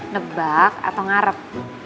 nebak atau ngarep